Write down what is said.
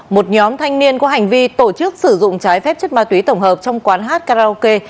một nhóm thanh niên có hành vi tổ chức sử dụng trái phép chất ma túy tổng hợp trong quán hát karaoke